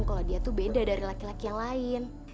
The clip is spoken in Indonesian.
kalau dia tuh beda dari laki laki yang lain